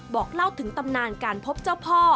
บอกเล่าถึงตำนานการพบเจ้าพ่อ